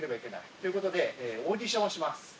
ということで、オーディションをします。